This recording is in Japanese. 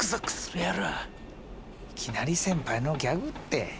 いきなり先輩のギャグって。